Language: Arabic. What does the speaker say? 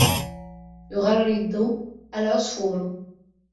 يُغَرِّدَ الْعَصْفُورُ.